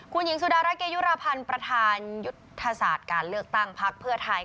คุณหญิงสุดารัฐเกยุราพันธ์ประธานยุทธศาสตร์การเลือกตั้งพักเพื่อไทย